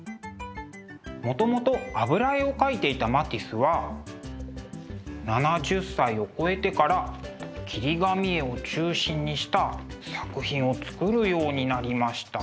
もともと油絵を描いていたマティスは７０歳を超えてから切り紙絵を中心にした作品を作るようになりました。